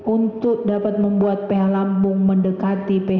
untuk dapat membuat ph lambung mendekati ph lima lima